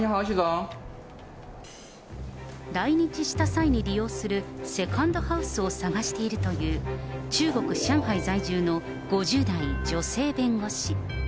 来日した際に利用するセカンドハウスを探しているという、中国・上海在住の５０代女性弁護士。